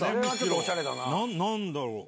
何だろう？